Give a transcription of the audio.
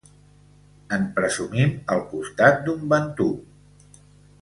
En presumim al costat d'un bantu.